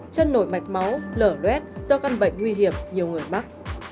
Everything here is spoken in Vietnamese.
chân nổi mạch máu lở luet do căn bệnh nguy hiểm nhiều người mắc